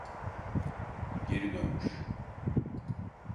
Geri dönmüş.